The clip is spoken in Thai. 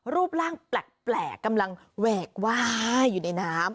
รูปร่างแปลกกำลังแหวกว่าอยู่ในน้ำ